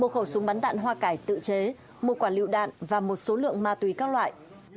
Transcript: một khẩu súng bắn đạn hoa cải tự chế một quả lựu đạn và một số lượng ma túy các loại